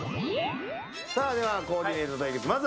では、コーディネート対決。